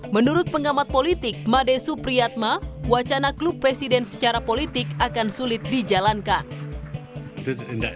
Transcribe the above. menurut pengamat politik made supriyatma wacana klub presiden secara politik akan sulit dijalankan